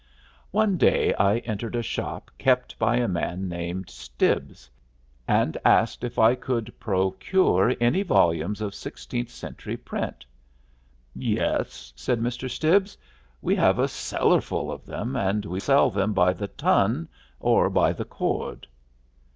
One day I entered a shop kept by a man named Stibbs, and asked if I could procure any volumes of sixteenth century print. "Yes," said Mr. Stibbs, "we have a cellarful of them, and we sell them by the ton or by the cord."